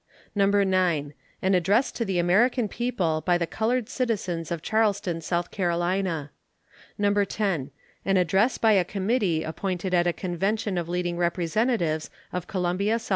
No. 9. An address to the American people by the colored citizens of Charleston, S.C. No. 10. An address by a committee appointed at a convention of leading representatives of Columbia, S.C.